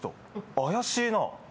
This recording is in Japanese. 怪しいな。